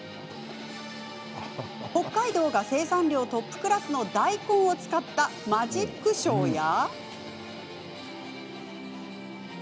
北海道が生産量トップクラスの大根を使ったマジックショーや。